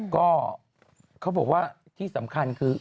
ก็เขาบอกว่าที่สำคัญคือ